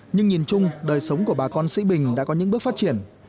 nhưng nhìn chung đời sống của bà con sĩ bình đã có những bước phát triển